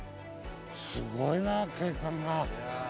スゴいな景観が。